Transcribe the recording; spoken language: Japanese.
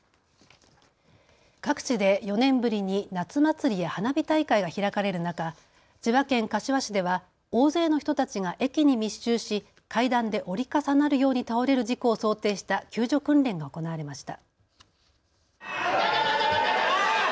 各地で４年ぶりに夏祭りや花火大会が開かれる中、千葉県柏市では大勢の人たちが駅に密集し階段で折り重なるように倒れる事故を想定した救助訓練が行われました。